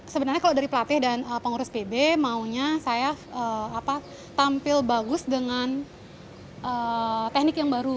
sebenarnya kalau dari pelatih dan pengurus pb maunya saya tampil bagus dengan teknik yang baru